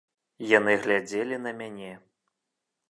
Яны глядзелі на мяне!